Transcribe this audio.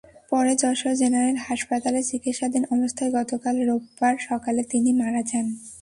পরে যশোর জেনারেল হাসপাতালে চিকিৎসাধীন অবস্থায় গতকাল রোববার সকালে তিনি মারা যান।